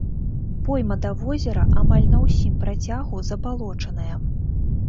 Пойма да возера амаль на ўсім працягу забалочаная.